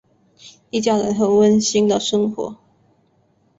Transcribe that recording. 一家人很温馨的生活。